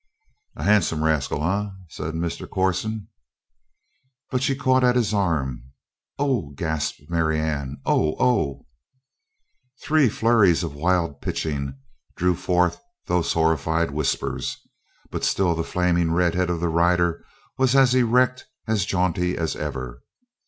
"A handsome rascal, eh?" said Mr. Corson. But she caught at his arm. "Oh!" gasped Marianne. "Oh! Oh!" Three flurries of wild pitching drew forth those horrified whispers. But still the flaming red head of the rider was as erect, as jaunty as ever.